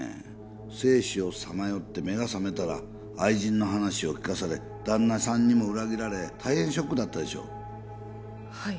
生死をさまよって目が覚めたら愛人の話を聞かされ旦那さんにも裏切られ大変ショックだったでしょうはい